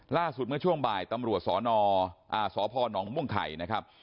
ล่าสุดเมื่อช่วงบ่ายตำรวจสพนม่วงไข่นะครับ